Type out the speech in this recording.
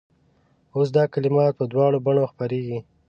اوس دا کلمات په دواړو بڼو خپرېږي.